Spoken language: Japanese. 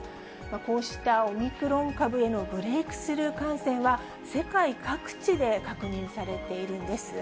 こうしたオミクロン株へのブレイクスルー感染は、世界各地で確認されているんです。